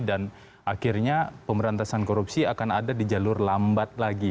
dan akhirnya pemerantasan korupsi akan ada di jalur lambat lagi